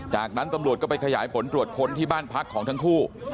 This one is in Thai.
จากนั้นตำรวจก็ไปขยายผลตรวจคนที่บ้านพักของทั้งคู่